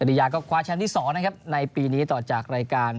ริยาก็คว้าแชมป์ที่๒นะครับในปีนี้ต่อจากรายการ